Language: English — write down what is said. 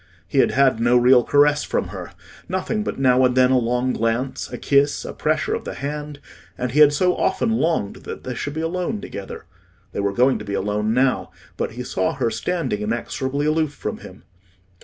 He had had no real caress from her—nothing but now and then a long glance, a kiss, a pressure of the hand; and he had so often longed that they should be alone together. They were going to be alone now; but he saw her standing inexorably aloof from him.